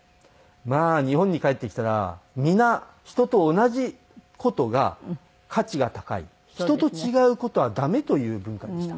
まあ日本に帰ってきたら皆人と同じ事が価値が高い人と違う事はダメという文化でした。